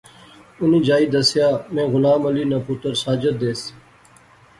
اُنی جائی دسیا میں غلام علی ناں پتر ساجد دیس